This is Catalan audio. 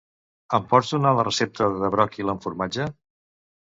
Em pots donar la recepta de bròquil amb formatge?